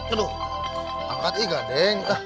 aduh angkat ini gak deng